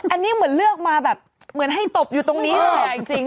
อันนี้เหมือนเลือกมาแบบเหมือนให้ตบอยู่ตรงนี้เลยจริง